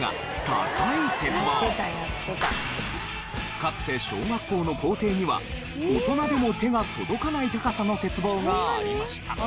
かつて小学校の校庭には大人でも手が届かない高さの鉄棒がありました。